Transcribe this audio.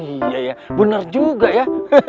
iya ya benar juga ya